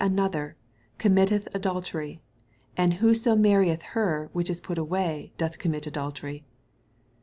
othar, oommitteth adultery : and who so marrieth her wiiioh is pat away doth commit adultery.